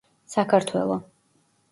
საქართველო